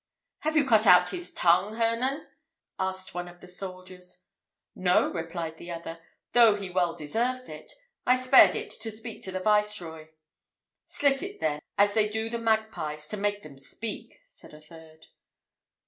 "Have you cut out his tongue, Hernan?" asked one of the soldiers. "No," replied the other, "though he well deserves it; I spared it to speak to the Viceroy." "Slit it then, as they do the magpies to make them speak," said a third.